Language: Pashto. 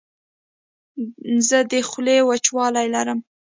زه د خولې وچوالی لرم.